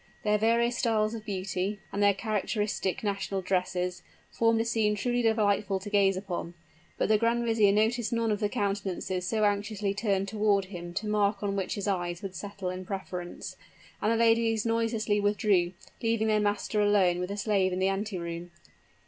Their various styles of beauty, and their characteristic national dresses, formed a scene truly delightful to gaze upon: but the grand vizier noticed none of the countenances so anxiously turned toward him to mark on which his eyes would settle in preference; and the ladies noiselessly withdrew, leaving their master alone with the slave in the anteroom.